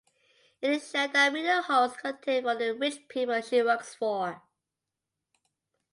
It is shown that Meenal holds contempt for the rich people she works for.